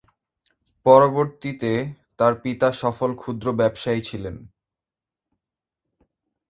পরবর্তীতে তার পিতা সফল ক্ষুদ্র ব্যবসায়ী ছিলেন।